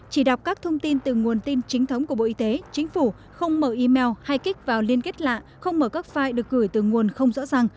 chỉ đọc các thông tin từ nguồn tin chính thống của bộ y tế chính phủ không mở email hay kích vào liên kết lạ không mở các file được gửi từ nguồn không rõ ràng